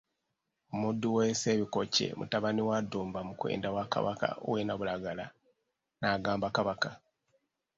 Omuddu we Ssebikokye, mutabani wa Ddumba Mukwenda wa Kabaka w'e Nnabulagala, n'agamba Kabaka.